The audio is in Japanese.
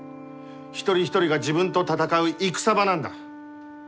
一人一人が自分と戦う戦場なんだ。